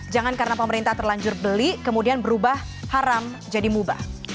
jangan karena pemerintah terlanjur beli kemudian berubah haram jadi muba